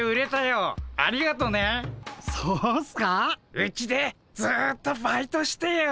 うちでずっとバイトしてよ。